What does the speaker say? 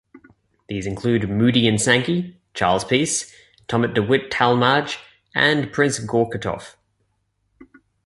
These include Moody and Sankey, Charles Peace, Thomas De Witt Talmage and Prince Gortschakoff.